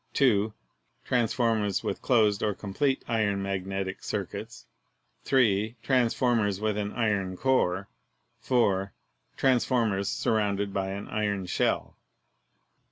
(2) Transformers with closed or complete iron mag netic circuits. (3) Transformers with an iron core. (4) Transformers surrounded by an iron shell.